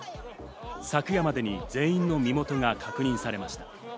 昨夜までに全員の身元が確認されました。